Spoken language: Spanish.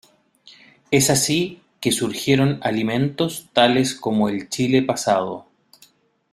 Es así que surgieron alimentos tales como el chile pasado.